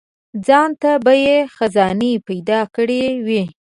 ځانته به یې خزانې پیدا کړي وای.